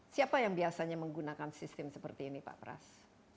siapa yang biasanya menggunakan sistem seperti ini pak pras